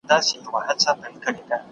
مرګ حق دی او هر نفس به يې څکي.